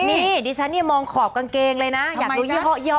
นี่ดิฉันมองขอบกางเกงเลยนะ